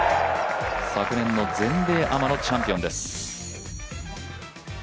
昨年の全米アマのチャンピオンです。